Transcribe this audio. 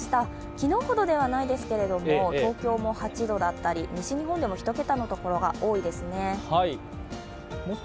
昨日ほどではないですが東京も８度だったり西日本でも１桁のところが多いですね。